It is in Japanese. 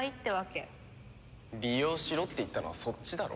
利用しろって言ったのはそっちだろ。